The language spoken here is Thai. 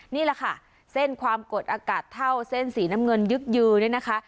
นี่แหละค่ะเส้นความกดอากาศเท่าเส้นสีน้ำเงินยึกยือเนี่ยนะคะ